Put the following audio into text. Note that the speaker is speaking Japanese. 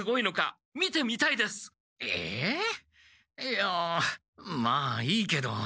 いやまあいいけど。